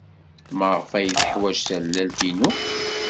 Maɣef ay teḥwaj tallalt-inu?